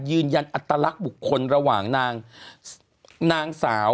คุณหนุ่มกัญชัยได้เล่าใหญ่ใจความไปสักส่วนใหญ่แล้ว